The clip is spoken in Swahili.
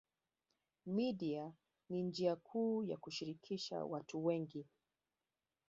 Media ni njia kuu ya kushirikisha watu wengi